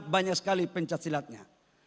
banyak sekali pencat silatnya